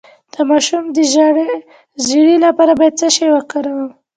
د ماشوم د ژیړي لپاره باید څه شی وکاروم؟